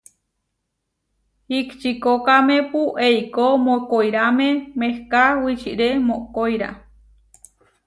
Ihčikókamepu eikó mokóirame mehká wičiré mokoirá.